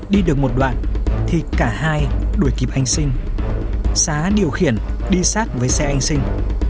đi được một đoạn thì cả hai đuổi kịp hành sinh xá điều khiển đi sát với xe anh sinh